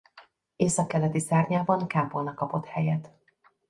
Északkeleti szárnyában kápolna kapott helyet.